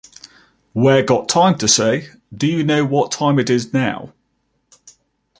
Where got time to say: 'Do you know what time it is now?